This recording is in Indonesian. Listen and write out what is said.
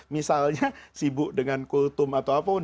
misalnya sibuk dengan kultum atau apapun